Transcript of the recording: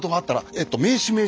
えっと名刺名刺。